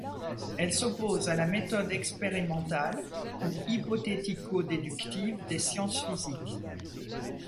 Elle s’oppose à la méthode expérimentale ou hypothético-déductive des sciences physiques.